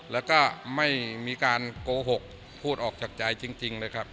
แล้วก็ไม่มีการโกหกพูดออกจากใจจริงเลยครับ